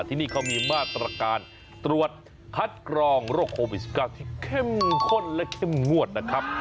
ที่นี่เขามีมาตรการตรวจคัดกรองโรคโควิด๑๙ที่เข้มข้นและเข้มงวดนะครับ